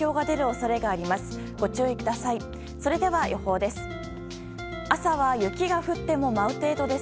それでは、予報です。